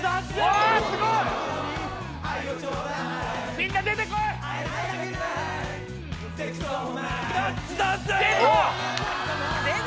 みんな出てこい出た！